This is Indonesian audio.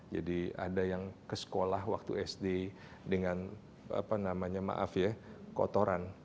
jadi ada yang ke sekolah waktu sd dengan kotoran